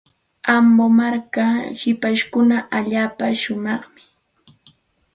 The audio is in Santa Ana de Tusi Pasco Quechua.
Ambo markapa shipashninkuna allaapa shumaqmi.